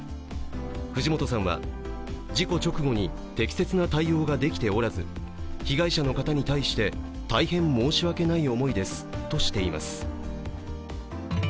藤本さんは事故直後に適切な対応ができておらず被害者の方に対して、大変申し訳ない思いですとしています。